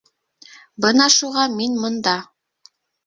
Бына шуға мин бында.